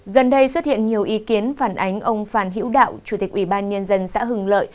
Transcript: gần đây xuất hiện nhiều ý kiến phản ánh ông phan hiễu đạo chủ tịch ubnd xã hưng lợi